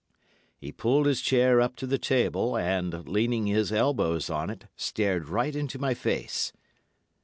"He pulled his chair up to the table, and, leaning his elbows on it, stared right into my face.